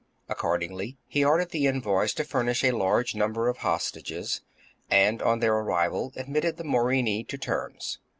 Accordingly he ordered the envoys to furnish a large number of hostages, and on their' arrival admitted the Morini to terms.